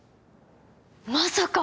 まさか！？